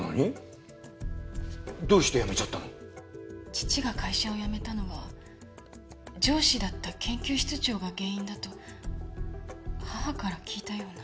父が会社を辞めたのは上司だった研究室長が原因だと母から聞いたような。